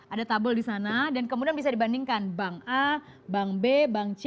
ada tabel di sana dan kemudian bisa dibandingkan bank a bank b bank c